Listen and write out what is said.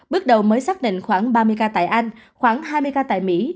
bước đầu mới xác định khoảng ba mươi ca tại anh khoảng hai mươi ca tại mỹ